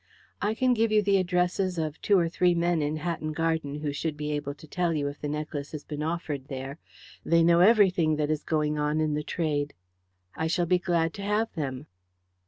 I can give you the addresses of two or three men in Hatton Garden who should be able to tell you if the necklace has been offered there. They know everything that is going on in the trade." "I shall be glad to have them."